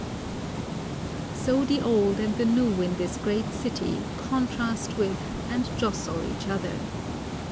So the old and the new in this great city contrast with and jostle each other.